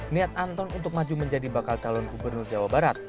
niat anton untuk maju menjadi bakal calon gubernur jawa barat